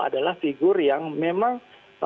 adalah figur yang memang